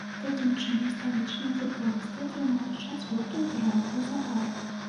Такім чынам, сталічныя футбалісты атрымалі чацвёртую перамогу запар.